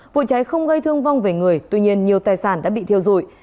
vụ cháy không gây thương vong về người tuy nhiên nhiều tài sản đã bị thiêu dụi